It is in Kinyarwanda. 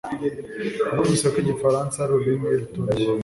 numvise ko igifaransa ari ururimi rutoroshye